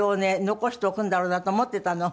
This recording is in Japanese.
残しておくんだろうなと思っていたの。